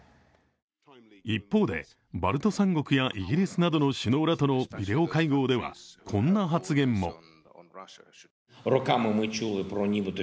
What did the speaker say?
一方で、バルト３国やイギリスなどの首脳らとのビデオ会合では、こんな発言も。